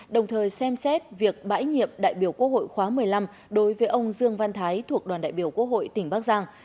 đồng thời xem xét việc bãi nhiệm đại biểu quốc hội khóa một mươi năm đối với ông dương văn thái thuộc đoàn đại biểu quốc hội tỉnh bắc giang